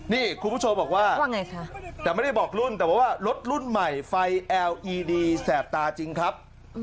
นี่คุณผู้ชมบอกว่าว่าไงคะแต่ไม่ได้บอกรุ่นแต่ว่ารถรุ่นใหม่ไฟแอลอีดีแสบตาจริงครับ